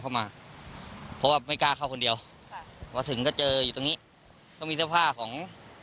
เขามีเสื้อผ้าของ